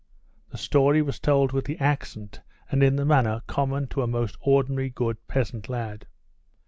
The story was told with the accent and in the manner common to a most ordinary good peasant lad.